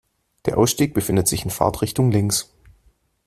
Der Ausstieg befindet sich in Fahrtrichtung links.